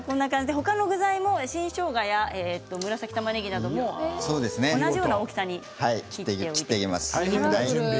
ほかの具材も新しょうがや紫たまねぎなども同じような大きさですね。